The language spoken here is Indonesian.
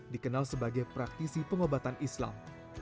dikenal sebagai praktisi pengobatan islam